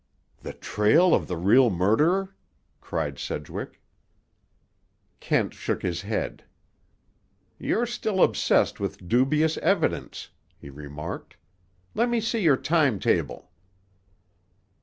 "The trail of the real murderer?" cried Sedgwick. Kent shook his head. "You're still obsessed with dubious evidence," he remarked. "Let me see your time table."